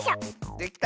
できた！